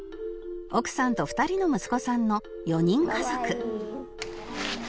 奥さんと２人の息子さんの４人家族